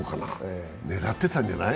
狙ってたんじゃない？